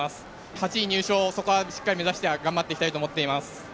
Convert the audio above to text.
８位入賞、そこはしっかり目指して頑張っていきたいと思っています。